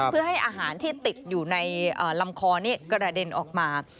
เพื่อให้อาหารที่ติดอยู่ในลำคอนี้กระเด็นออกมา